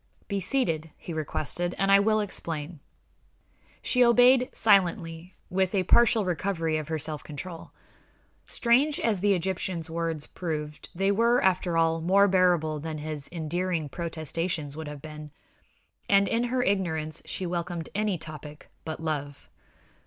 "Be seated," he requested, "and I will explain." She obeyed silently, with a partial recovery of her self control. Strange as the Egyptian's words proved, they were, after all, more bearable than his endearing protestations would have been, and in her ignorance she welcomed any topic but love.